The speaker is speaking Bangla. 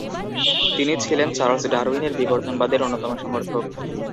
তিনি ছিলেন চার্লস ডারউইনের বিবর্তনবাদের অন্যতম সমর্থক।